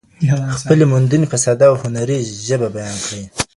خپلې موندنې په ساده او هنري ژبه بیان کړئ.